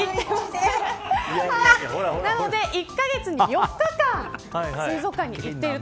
なので、１カ月に４日間水族館に行っている。